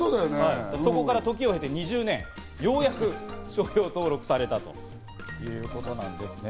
そこから時を経て２０年、ようやく商標登録されたということなんです。